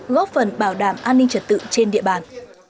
góp phần bảo đảm an ninh trật tự trên địa bàn